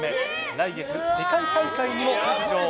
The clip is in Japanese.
来月、世界大会にも出場！